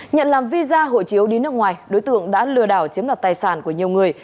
nhận làm visa hộ chiếu đi nước ngoài đối tượng đã lừa đảo chiếm đoạt tài sản của nhiều người